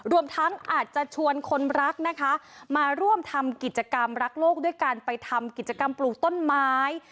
รวมทั้งอาจจะชวนคนรักนะคะมาร่วมทำกิจกรรมรักโลกด้วยการไปทำกิจกรรมปลูกต้นไม้